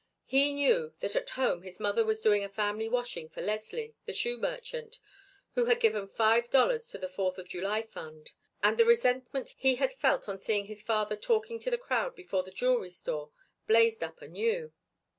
He knew that at home his mother was doing a family washing for Lesley, the shoe merchant, who had given five dollars to the Fourth of July fund, and the resentment he had felt on seeing his father talking to the crowd before the jewelry store blazed up anew.